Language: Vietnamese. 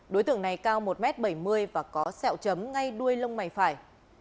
đối tượng này cao một m bảy mươi và có sẹo chấm ngay đuôi lông mày phải